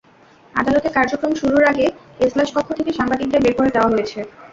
আদালতের কার্যক্রম শুরুর আগে এজলাসকক্ষ থেকে সাংবাদিকদের বের করে দেওয়া হয়েছে।